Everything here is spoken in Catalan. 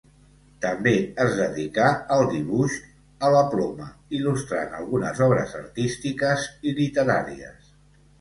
També es dedicà al dibuix a la ploma, il·lustrant algunes obres artístiques i literàries.